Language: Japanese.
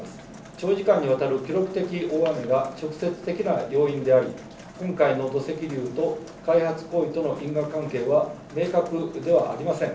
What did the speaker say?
長時間にわたる記録的大雨が直接的な要因であり、今回の土石流と開発行為との因果関係は明確ではありません。